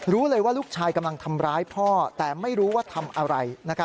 รู้เลยว่าลูกชายกำลังทำร้ายพ่อแต่ไม่รู้ว่าทำอะไร